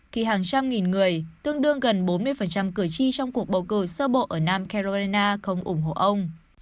khi hàng trăm nghìn người tương đương gần bốn mươi cử tri trong cuộc bầu cử sơ bộ ở nam carolina không ủng hộ ông